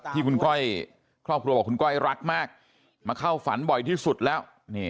ที่คุณก้อยครอบครัวบอกคุณก้อยรักมากมาเข้าฝันบ่อยที่สุดแล้ว